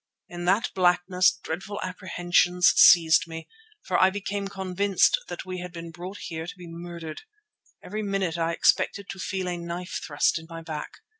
In that blackness dreadful apprehensions seized me, for I became convinced that we had been brought here to be murdered. Every minute I expected to feel a knife thrust in my back.